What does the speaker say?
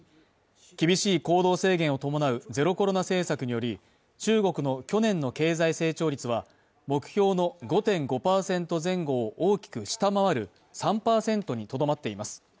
厳しい行動制限を伴うゼロコロナ政策により中国の去年の経済成長率は目標の５．５％前後を大きく下回る３％にとどまっています。